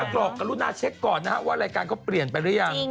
กรอกกับลูกหน้าเช็คก่อนนะครับว่ารายการเขาเปลี่ยนไปหรือยัง